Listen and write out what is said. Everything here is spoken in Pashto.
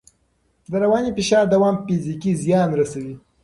د رواني فشار دوام فزیکي زیان رسوي.